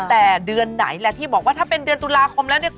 แต่เดือนไหนแหละที่บอกว่าถ้าเป็นเดือนตุลาคมแล้วเนี่ย